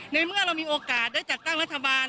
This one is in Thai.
ในเมื่อเรามีโอกาสได้จัดตั้งรัฐบาล